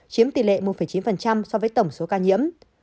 chiếm tỷ lệ một chín so với tổng số ca nhiễm